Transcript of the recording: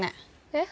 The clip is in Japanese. えっ？